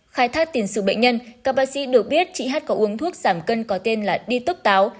khai thác tiền sử bệnh nhân các bác sĩ được biết chị hát có uống thuốc giảm cân có tên là đi tức táo